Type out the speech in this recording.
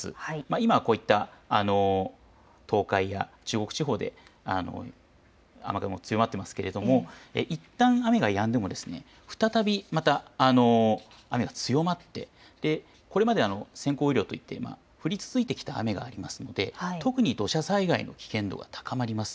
今はこういった東海や中国地方で雨雲が強まっていますがいったん雨がやんでも再びまた雨が強まってこれまで先行雨量といって降り続いてきた雨がありますので特に土砂災害の危険度が高まります。